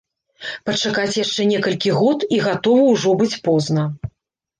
Пачакаць яшчэ некалькі год, і гатова ўжо быць позна.